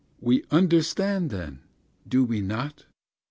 We understand, then, do we not?